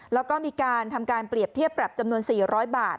แล้วก็มีการทำการเปรียบเทียบปรับจำนวน๔๐๐บาท